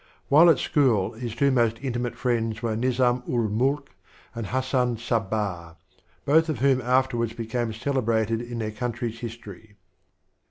While at school his two most intimate friends were Nizdm ul Mulk and Hassan Sabbdh, both of whom afterwards became celebrated in 'their countrj^s history.